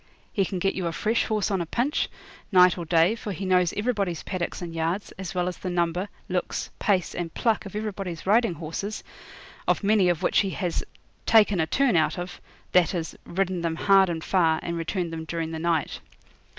He can get you a fresh horse on a pinch, night or day, for he knows everybody's paddocks and yards, as well as the number, looks, pace, and pluck of everybody's riding horses of many of which he has 'taken a turn' out of that is, ridden them hard and far, and returned them during the night.